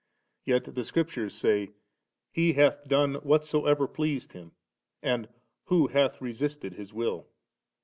Yet the Scriptures say, *He hath done whatsoever pleased Him V and * Who hath resisted His will*?'